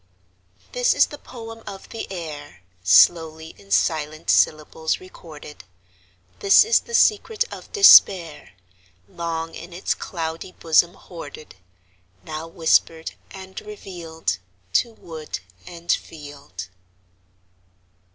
This is the poem of the air, Slowly in silent syllables recorded; This is the secret of despair, Long in its cloudy bosom hoarded, Now whispered and revealed To wood and field.